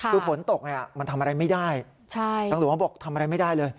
คือฝนตกมันทำอะไรไม่ได้ตำรวจเขาบอกทำอะไรไม่ได้เลย